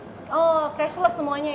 oh cashless semuanya ya